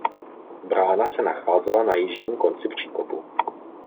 Brána se nacházela na jižním konci příkopu.